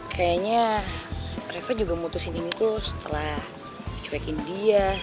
kayaknya rafa juga mutusin ini tuh setelah ngecuekin dia